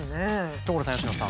所さん佳乃さん